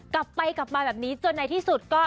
กลับไปกลับมาแบบนี้จนในที่สุดก็